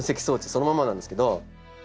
そのままなんですけど。